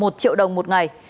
một triệu đồng một ngày